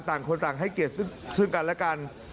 ต่างคนต่างให้เกียรติซึ่งกันและกัน